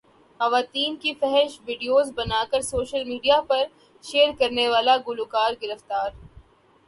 خواتین کی فحش ویڈیوز بناکر سوشل میڈیا پرشیئر کرنے والا گلوکار گرفتار